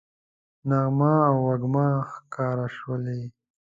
نغمه او وږمه ښکاره شولې